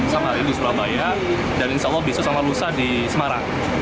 sama hal ini di surabaya dan insya allah bisa sama lusa di semarang